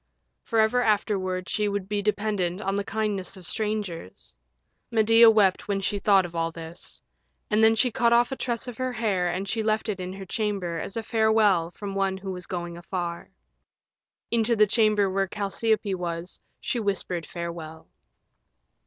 Forever afterward she would be dependent on the kindness of strangers. Medea wept when she thought of all this. And then she cut off a tress of her hair and she left it in her chamber as a farewell from one who was going afar. Into the chamber where Chalciope was she whispered farewell.